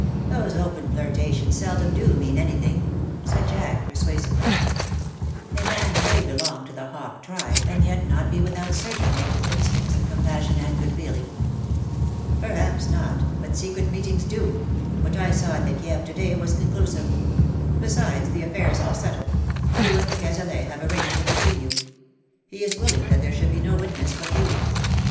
" Those open flirtations seldom do mean any thing/' said Jack J persuasively. s2 260 *^SHE STOOD UP IN BITTER CASE^ A man may belong to the hawk tribe and yet not be without certain latent instincts of compassion and good feeling. ^' Perhaps not — but secret meetings do : what I saw at the Kieve to dav was conclusive. Besides, the affair is all settled — you and de Cazalet have arranged it between you. He is willing that there should be no witness but you.